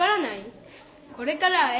これからはＡＩ！